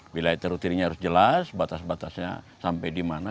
bila terutirinya harus jelas batas batasnya sampai di mana